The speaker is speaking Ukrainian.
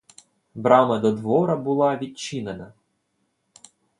Брама до двора була відчинена.